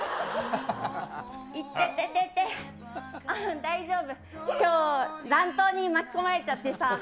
いてててて、大丈夫、きょう、乱闘に巻き込まれちゃってさ。